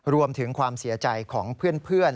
รวมถึงความเสียใจของเพื่อน